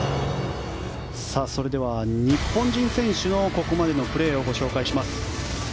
それでは日本人選手のここまでのプレーをご紹介します。